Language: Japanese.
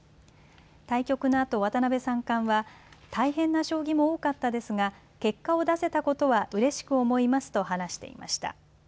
対局のあと渡辺三冠は大変な将棋も多かったですが結果を出せたことはうれしく思いますと話していました。